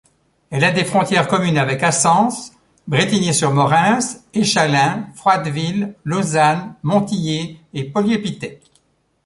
Elle a des frontières communes avec Assens, Bretigny-sur-Morrens, Échallens, Froideville, Lausanne, Montilliez et Poliez-Pittet.